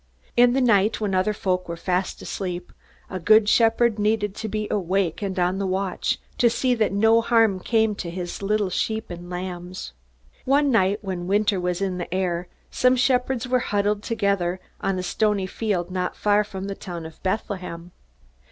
In the night, when other folk were fast asleep, a good shepherd needed to be awake and on the watch, to see that no harm came to his sheep and lambs. One night when winter was in the air, some shepherds were huddled together on a stony field not far from the town of Bethlehem.